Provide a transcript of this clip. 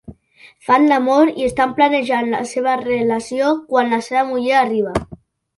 Fan l’amor i estan planejant la seva relació quan la seva muller arriba.